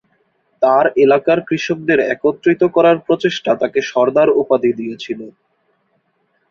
তাঁর এলাকার কৃষকদের একত্রিত করার প্রচেষ্টা তাঁকে 'সর্দার' উপাধি দিয়েছিল।